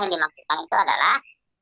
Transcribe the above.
yang dimaksudkan itu adalah